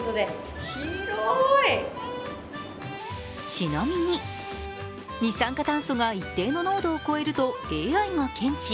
ちなみに二酸化炭素が一定の濃度を超えるとＡＩが検知。